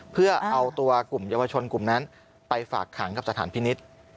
เพื่อเอาตัวกลุ่มเยาวชนกลุ่มนั้นไปฝากขังกับสถานพินิษฐ์